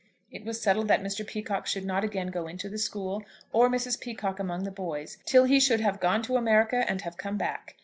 It was settled that Mr. Peacocke should not go again into the school, or Mrs. Peacocke among the boys, till he should have gone to America and have come back.